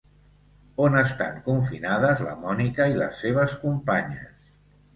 On estan confinades la Mònica i les seves companyes?